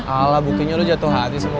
alah buktinya lo jatuh hati sama gue